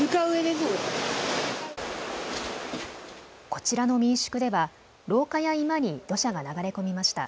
こちらの民宿では廊下や居間に土砂が流れ込みました。